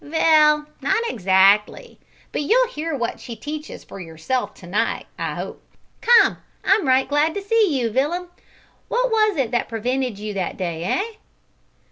"Vell, not exactly, but you'll hear wot she teaches for yourself to night, I 'ope. Come, I'm right glad to see you, Villum. What was it that prevented you that day, eh?"